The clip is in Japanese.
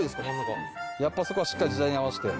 やっぱそこはしっかり時代に合わして。